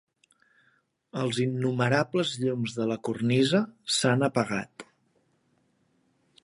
Els innumerables llums de la cornisa s'han apagat.